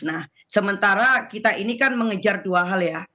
nah sementara kita ini kan mengejar dua hal ya